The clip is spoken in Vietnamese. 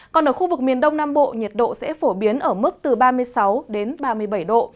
còn ở khu vực miền đông nam bộ nhiệt độ sẽ phổ biến ở mức từ ba mươi sáu đến ba mươi bảy độ